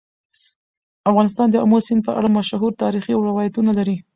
افغانستان د آمو سیند په اړه مشهور تاریخي روایتونه لري.